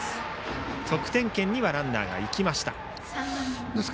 得点圏にはランナーが行きました。